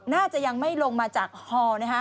น่าจะยังไม่ลงมาจากฮอนะฮะ